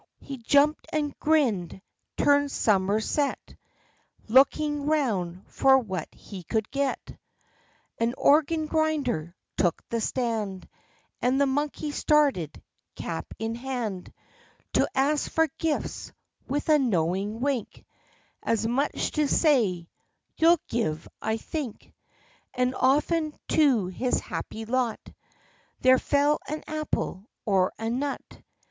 He jumped and grinned, turned somerset, Looking around for what he could get. 78 THE LIFE AND ADVENTURES An organ grinder took the stand, And the monkey started, cap in hand, To ask for gifts, with a knowing wink, As much as to say, "You'll give, I think;" And often to his happy lot There fell an apple or a nut.